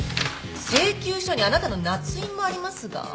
請求書にあなたの捺印もありますが？